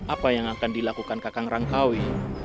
apa yang akan dilakukan kakang rangkai